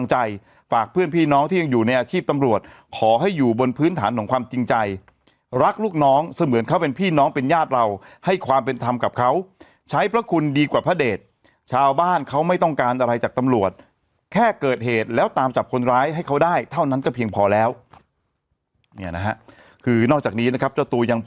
นายตำรวจยื่นใบลาออกใครเหรอคุณหนุ่ม